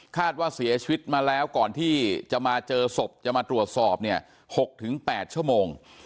ว่าเสียชีวิตมาแล้วก่อนที่จะมาเจอศพจะมาตรวจสอบเนี่ย๖๘ชั่วโมง